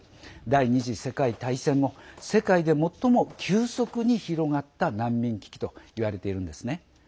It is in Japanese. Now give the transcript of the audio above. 第２次世界大戦後世界で最も急速に広がった難民危機といわれているんです。